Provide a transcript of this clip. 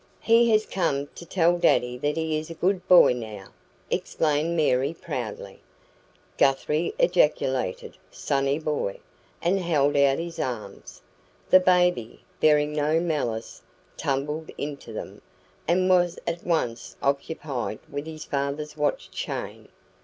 "He has come to tell daddy that he is a good boy now," explained Mary proudly. Guthrie ejaculated "Sonny boy!" and held out his arms. The baby, bearing no malice, tumbled into them, and was at once occupied with his father's watch chain.